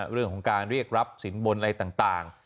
เรื่องของการเรียกรับสินบนอะไรต่าง